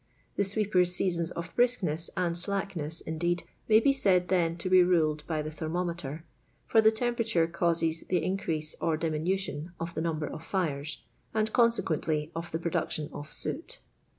The sweepers* seasons of briskness aud slack ness, indeed, may be said then to be ruled by the thermometer, for the temperature causes the in crease or diminution of the number of fires, and consequently of the production of soot.